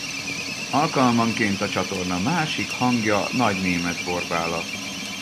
Alkalmanként a csatorna másik hangja Nagy-Németh Borbála.